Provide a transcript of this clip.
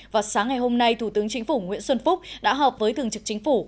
và sáng ngày hôm nay thủ tướng chính phủ nguyễn xuân phúc đã họp với thường trực chính phủ